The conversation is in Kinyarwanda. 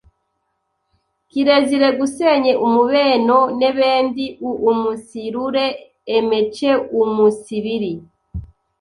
Kirezire gusenye umubeno n’ebendi uumunsirure emeceumunsibiri